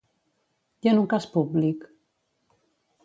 I en un cas públic?